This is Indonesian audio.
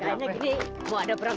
ya pak ya pak